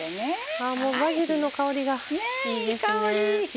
バジルの香りがいいですね。